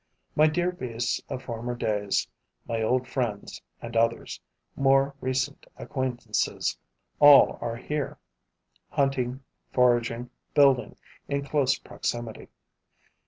My dear beasts of former days, my old friends, and others, more recent acquaintances, all are here, hunting, foraging, building in close proximity.